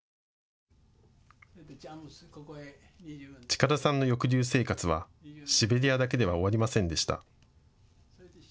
近田さんの抑留生活はシベリアだけでは終わりませんでした。